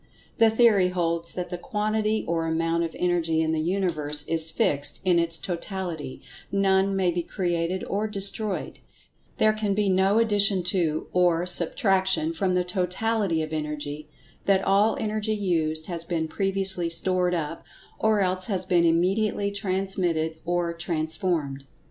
The theory holds that the quantity or amount of Energy in the Universe is fixed in its totality—none may be created or destroyed—there can be no addition to, or subtraction from the Totality of Energy—that all Energy used has been previously stored up, or else has been immediately transmitted or transformed.